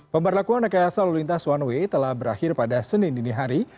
pemberlakuan rekayasa lalu lintas one way telah berakhir pada senin dini hari